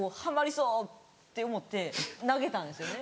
そうって思って投げたんですよね